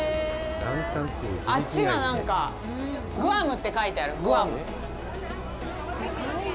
あっちがグアムって書いてある、グアム。